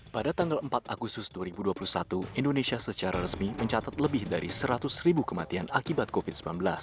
pada tanggal empat agustus dua ribu dua puluh satu indonesia secara resmi mencatat lebih dari seratus ribu kematian akibat covid sembilan belas